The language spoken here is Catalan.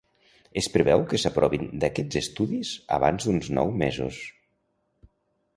Es preveu que s'aprovin aquests estudis abans d'uns nou mesos.